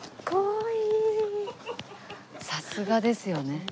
さすがですよね。